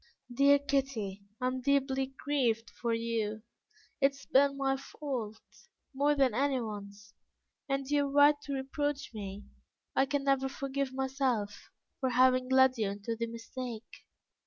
Dear Kitty, I am deeply grieved for you: it has been my fault, more than anyone's, and you are right to reproach me; I can never forgive myself for having led you into the mistake."